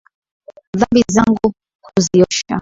Dhambi zangu kuziosha.